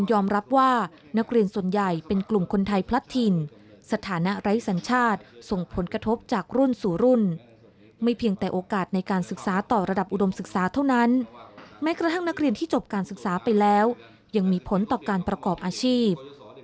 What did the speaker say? ว่านักเรียนส่วนใหญ่เป็นกลุ่มคนไทยพลัดถิ่นสถานะไร้สัญชาติส่งผลกระทบจากรุ่นสู่รุ่นไม่เพียงแต่โอกาสในการศึกษาต่อระดับอุดมศึกษาเท่านั้นแม้กระทั่งนักเรียนที่จบการศึกษาไปแล้วยังมีผลต่อการประกอบอาชีพ